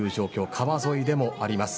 川沿いでもあります。